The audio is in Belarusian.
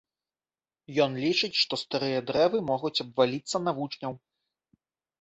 Ён лічыць, што старыя дрэвы могуць абваліцца на вучняў.